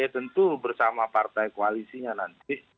tentu bersama partai koalisinya nanti